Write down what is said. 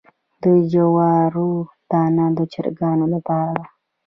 د جوارو دانه د چرګانو لپاره ده.